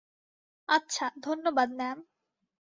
আচ্ছা, ধন্যবাদ, ম্যাম।